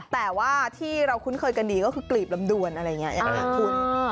แต่ว่าที่เราคุ้นเคยกันดีก็คือกลีบลำดวนอะไรอย่างนี้อย่างนี้คุณ